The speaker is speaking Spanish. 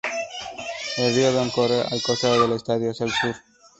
El río Don corre al costado del Estadio hacía el sur.